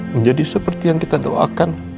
menjadi seperti yang kita doakan